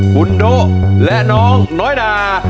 คุณโดะและน้องน้อยนา